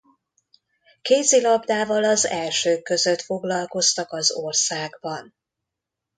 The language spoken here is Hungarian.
Kézilabdával az elsők között foglalkoztak az országban.